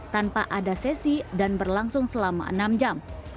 tanpa ada sesi dan berlangsung selama enam jam